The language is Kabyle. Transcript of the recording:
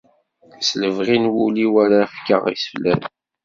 S lebɣi n wul-iw ara ak-fkeɣ iseflen.